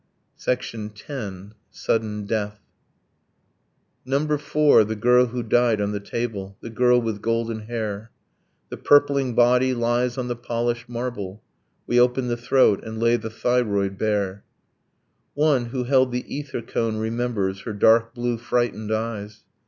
X. SUDDEN DEATH 'Number four the girl who died on the table The girl with golden hair ' The purpling body lies on the polished marble. We open the throat, and lay the thyroid bare ... One, who held the ether cone, remembers Her dark blue frightened eyes.